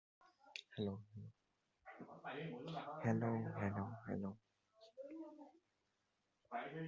Delayed echoes are distinguished on the basis of ownership: self-echos, other-echos, and impersonal echoes.